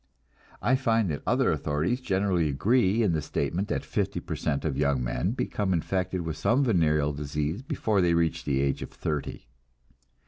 I find that other authorities generally agree in the statement that fifty per cent of young men become infected with some venereal disease before they reach the age of thirty.